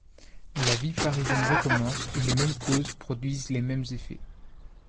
La vie parisienne recommence et les mêmes causes produisent les mêmes effets.